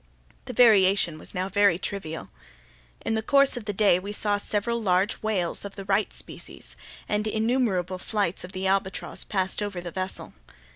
The variation was now very trivial. In the course of the day we saw several large whales of the right species, and innumerable flights of the albatross passed over the vessel.